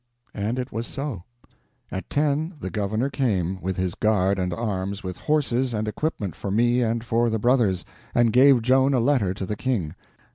And it was so. At ten the governor came, with his guard and arms, with horses and equipment for me and for the brothers, and gave Joan a letter to the King.